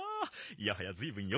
いやはやずいぶんよ